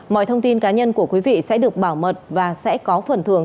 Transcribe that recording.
mọi thông tin cá nhân của quý vị sẽ được bảo mật và sẽ có phần thưởng